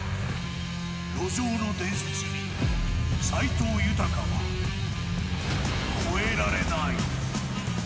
路上の伝説に斎藤裕は超えられない。